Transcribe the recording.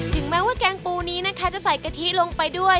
ถึงแม้ว่าแกงปูนี้นะคะจะใส่กะทิลงไปด้วย